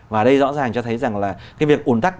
và đây rõ ràng cho thấy rằng là cái việc ủn tắc